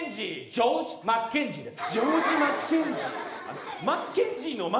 ジョージ・マッケンジーです。